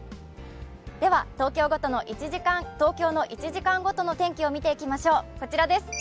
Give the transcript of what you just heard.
では東京の１時間ごとの天気を見ていきましょう。